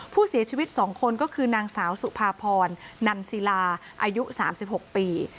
ผู้เสียชีวิต๒คนก็คือนางสาวสุภาพรนันศิลาอายุ๓๖ปี